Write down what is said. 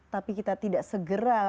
tapi kita tidak segera